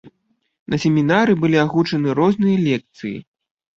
На семінары былі агучаны розныя лекцыі.